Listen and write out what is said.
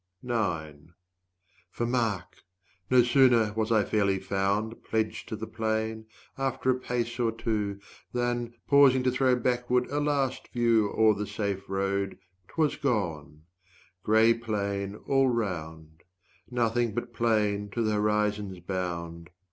For mark! no sooner was I fairly found Pledged to the plain, after a pace or two, 50 Than, pausing to throw backward a last view O'er the safe road, 'twas gone; gray plain all round: Nothing but plain to the horizon's bound.